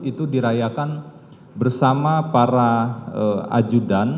itu dirayakan bersama para ajudan